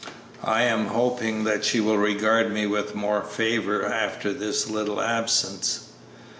I am hoping that she will regard me with more favor after this little absence."